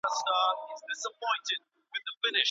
پرازیتونه څنګه تشخیص کیږي؟